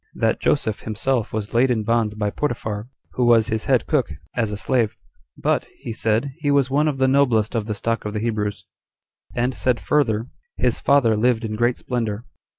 That Joseph himself was laid in bonds by Potiphar, who was his head cook, as a slave; but, he said, he was one of the noblest of the stock of the Hebrews; and said further, his father lived in great splendor.